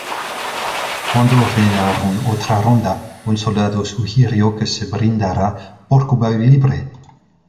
Cuando ordenaron otra ronda, un soldado sugirió que se brindara "¡Por Cuba Libre!